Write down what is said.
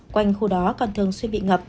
quanh khu đó còn thường xuyên bị ngập